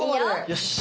よし！